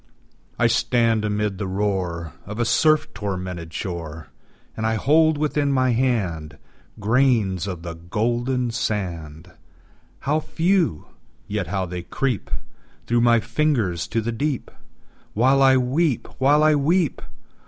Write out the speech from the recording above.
I stand amid the roar Of a surf tormented shore, And I hold within my hand Grains of the golden sand How few! yet how they creep Through my fingers to the deep While I weep while I weep!